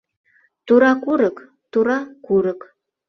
Тура курык, тура курык